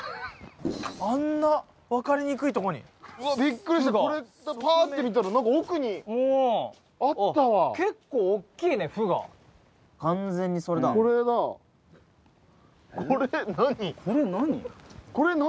あんな分かりにくいとこにうわビックリしたこれパーッと見たら何か奥にあったわ結構おっきいね「不」が完全にそれだこれだこれ何？